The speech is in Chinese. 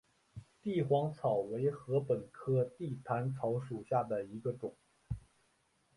帝皇草为禾本科地毯草属下的一个种。